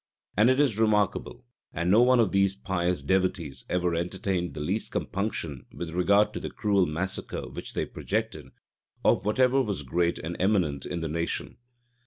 [] And it is remarkable, that no one of these pious devotees ever entertained the least compunction with regard to the cruel massacre which they projected, of whatever was great and eminent in the nation.